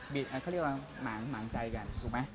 เขาเรียกว่าหมางใจกัน